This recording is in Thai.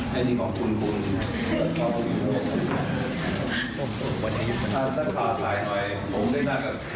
อย่างนั้นประมาณ